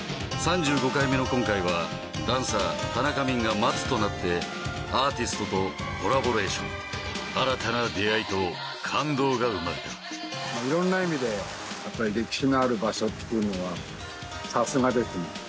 ３５回目の今回はダンサー・田中泯が松となってアーティストとコラボレーション新たな出会いと感動が生まれたいろんな意味でやっぱり歴史のある場所っていうのがさすがですね。